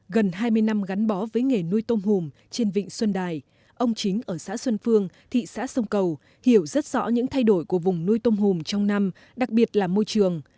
gần hai mươi năm gắn bó với nghề nuôi tôm hùm trên vịnh xuân đài ông chính ở xã xuân phương thị xã sông cầu hiểu rất rõ những thay đổi của vùng nuôi tôm hùm trong năm đặc biệt là môi trường